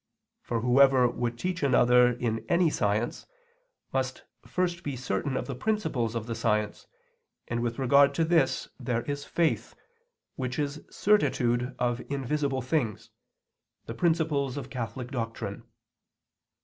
For whoever would teach another in any science must first be certain of the principles of the science, and with regard to this there is faith, which is certitude of invisible things, the principles of Catholic doctrine.